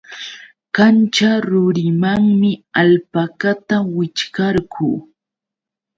Kanćha rurimanmi alpakata wićhqarqu.